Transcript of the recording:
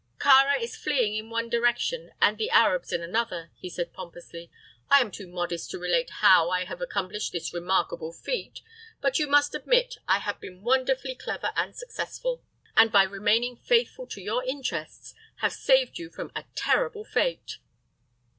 "Kāra is fleeing in one direction and the Arabs in another," he said, pompously. "I am too modest to relate how I have accomplished this remarkable feat; but you must admit I have been wonderfully clever and successful, and by remaining faithful to your interests, have saved you from a terrible fate."